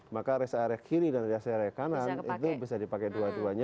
maka rest area kiri dan res area kanan itu bisa dipakai dua duanya